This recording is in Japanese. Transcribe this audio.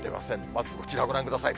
まずこちらご覧ください。